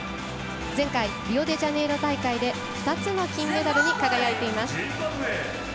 前回、リオデジャネイロ大会で２つの金メダルに輝いています。